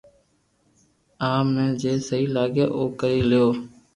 آم ني جي سھي لاگي او ڪري ليو